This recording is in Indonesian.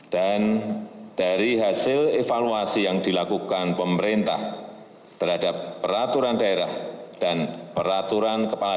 dan dari hasil evaluasi yang dilakukan pemerintah terhadap peraturan daerah dan peraturan kepala